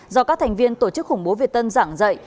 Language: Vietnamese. do các thành viên tổ chức khủng bố việt tân giảng dạy